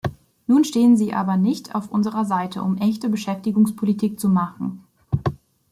Nun stehen sie aber nicht auf unserer Seite, um echte Beschäftigungspolitik zu machen.